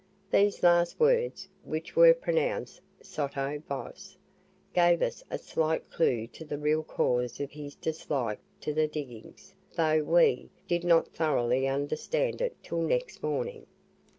These last words, which were pronounced SOTTO VOCE, gave us a slight clue to the real cause of his dislike to the diggings, though we, did not thoroughly understand it till next morning.